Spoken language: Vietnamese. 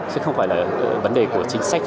sẽ không phải là vấn đề của chính sách